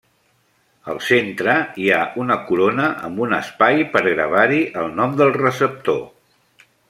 Al centre hi ha una corona amb un espai per gravar-hi el nom del receptor.